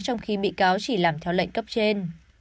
trong khi bị cáo chỉ làm theo lệnh cấp trên